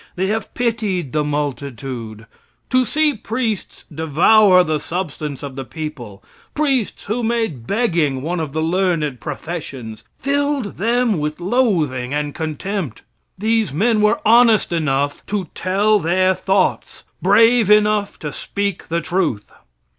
They have pitied the multitude. To see priests devour the substance of the people priests who made begging one of the learned professions filled them with loathing and contempt. These men were honest enough to tell their thoughts, brave enough to speak the truth.